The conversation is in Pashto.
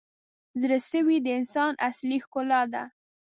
• زړه سوی د انسان اصلي ښکلا ده.